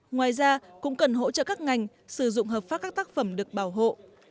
ngoài ra cũng cần hỗ trợ các ngành sử dụng hợp pháp các tác phẩm được bảo hộ